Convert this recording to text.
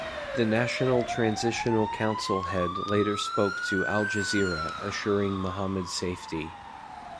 The National Transitional Council head later spoke to Al Jazeera assuring Muhammad's safety.